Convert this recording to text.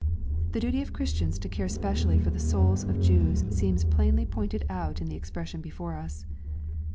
The duty of Christians to care specially for the souls of Jews seems plainly pointed out in the expression before us.